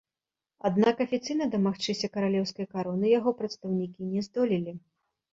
Аднак афіцыйна дамагчыся каралеўскай кароны яго прадстаўнікі не здолелі.